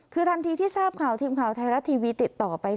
คือทันทีที่ทราบข่าวทีมข่าวไทยรัฐทีวีติดต่อไป